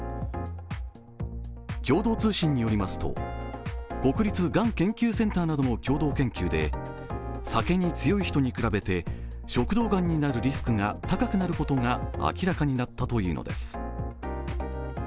共同通信によりますと、国立がん研究センターなどの共同研究で酒に強い人に比べて食道がんになるリスクが高くなることが明らかになったのです。